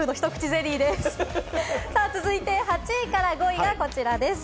続いて８位から５位がこちらです。